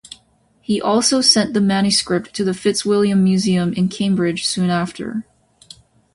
He also sent the manuscript to the Fitzwilliam Museum in Cambridge soon after.